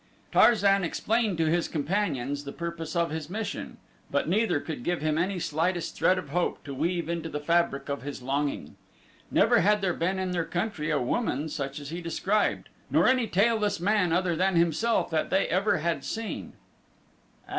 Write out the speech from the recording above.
Tarzan explained to his companions the purpose of his mission but neither could give him any slightest thread of hope to weave into the fabric of his longing. Never had there been in their country a woman such as he described, nor any tailless man other than himself that they ever had seen.